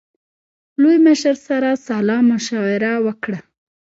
لوی مشر سره سلا مشوره وکړه.